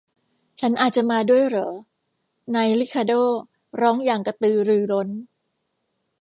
ฉันอาจจะมาด้วยเหรอ ? นายริคาร์โด้ร้องอย่างกระตือรือร้น